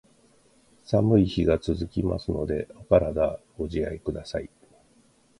寒い日が続きますので、お体ご自愛下さい。